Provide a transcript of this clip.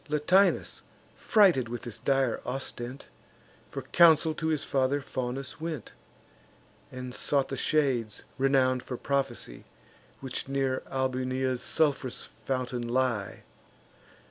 Latinus, frighted with this dire ostent, For counsel to his father Faunus went, And sought the shades renown'd for prophecy Which near Albunea's sulph'rous fountain lie.